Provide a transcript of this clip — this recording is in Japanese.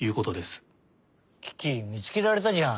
キキみつけられたじゃん。